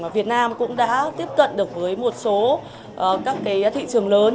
việt nam cũng đã tiếp cận được với một số các thị trường lớn